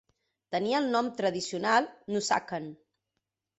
Tenia el nom tradicional "Nusakan".